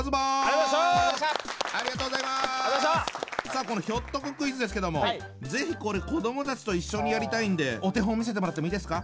さあこのひょっとこクイズですけども是非これ子どもたちと一緒にやりたいんでお手本見せてもらってもいいですか？